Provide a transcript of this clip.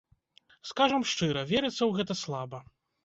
Скажам шчыра, верыцца ў гэта слаба.